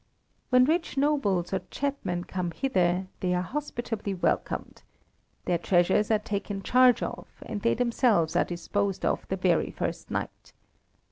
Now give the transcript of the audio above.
When rich nobles or chapmen come hither they are hospitably welcomed; their treasures are taken charge of, and they themselves are disposed of the very first night.